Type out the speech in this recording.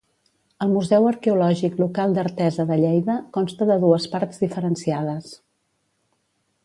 El museu arqueològic local d'Artesa de Lleida consta de dues parts diferenciades.